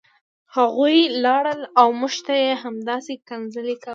هغوی لاړل او موږ ته یې همداسې کنځلې کولې